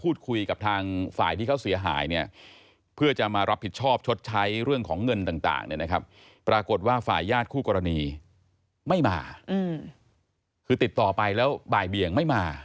อืมก็ต้องสู้เอง